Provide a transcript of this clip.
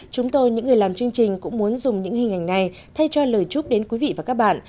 chúng tôi những người làm chương trình cũng muốn dùng những hình ảnh này thay cho lời chúc đến quý vị và các bạn